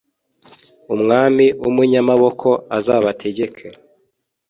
umwami w’umunyamaboko azabategeke.